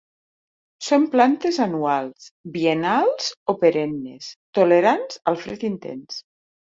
Són plantes anuals, biennals o perennes, tolerants al fred intens.